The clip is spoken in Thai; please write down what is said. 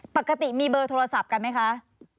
ปกติมีเบอร์โทรศัพท์กันไหมคะ